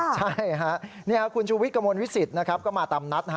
ใช่คุณชูวิทย์กระมวลวิสิตก็มาตามนัด